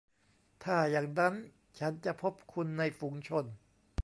ถ้าอย่างนั้นฉันจะพบคุณในฝูงชน ?